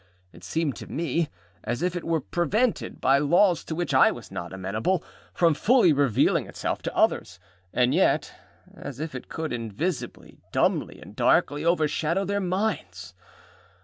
It seemed to me as if it were prevented, by laws to which I was not amenable, from fully revealing itself to others, and yet as if it could invisibly, dumbly, and darkly overshadow their minds.